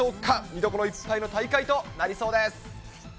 見どころいっぱいの大会となりそうです。